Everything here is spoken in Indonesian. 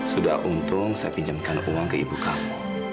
sudah untung saya pinjamkan uang ke ibu kami